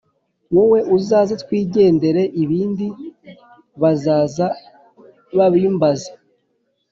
Wowe uzaze twigendere ibindi bazaza babimbaza